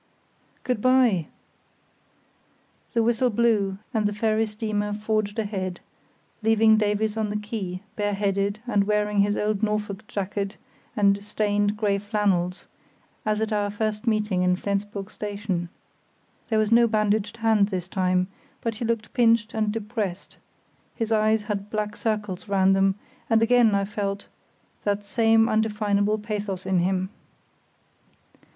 "Good bye," the whistle blew and the ferry steamer forged ahead, leaving Davies on the quay, bareheaded and wearing his old Norfolk jacket and stained grey flannels, as at our first meeting in Flensburg station. There was no bandaged hand this time, but he looked pinched and depressed; his eyes had black circles round them; and again I felt that same indefinable pathos in him.